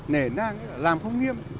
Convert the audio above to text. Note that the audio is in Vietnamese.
nể nang làm không nghiêm